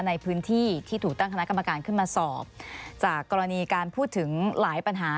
ในพื้นที่ที่ถูกตั้งคณะกรรมการขึ้นมาสอบจากกรณีการพูดถึงหลายปัญหา